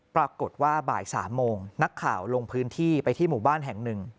ปรากฏว่าบ่าย๓โมงนักข่าวลงพื้นที่ไปที่หมู่บ้านแห่งหนึ่ง